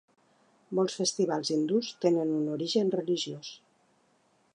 Molts festivals hindús tenen un origen religiós.